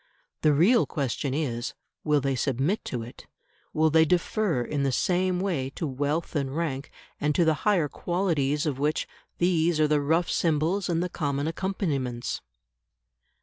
The real question is, Will they submit to it, will they defer in the same way to wealth and rank, and to the higher qualities of which these are the rough symbols and the common accompaniments?